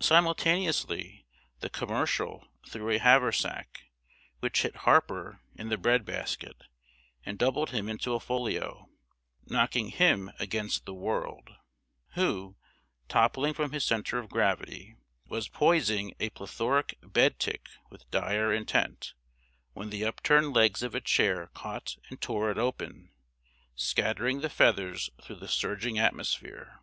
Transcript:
Simultaneously The Commercial threw a haversack, which hit Harper in the bread basket, and doubled him into a folio knocking him against The World, who, toppling from his center of gravity, was poising a plethoric bed tick with dire intent, when the upturned legs of a chair caught and tore it open, scattering the feathers through the surging atmosphere.